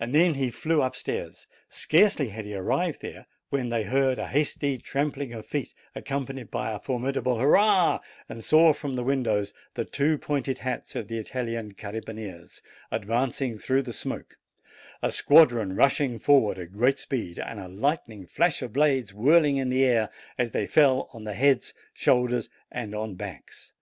Then he flew up stairs. Scarcely had he arrived there when they heard a hasty trampling of feet, accompanied by a formidable hurrah, and saw from the windows the two pointed hats of the Italian carabineers advancing through the smoke, a squadron rushing forward at great speed, and a lightning flash of blades whirling in the air, as they fell on heads, shoulders, and on backs.